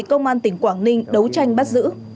công an tỉnh quảng ninh đấu tranh bắt giữ